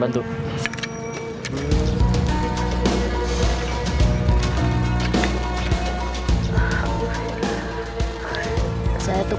yang sabar ya bu